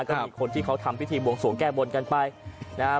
ก็มีคนที่เขาทำพิธีบวงสวงแก้บนกันไปนะครับ